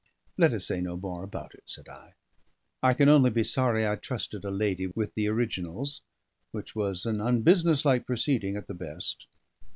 "Let us say no more about it," said I. "I can only be sorry I trusted a lady with the originals, which was an unbusinesslike proceeding at the best.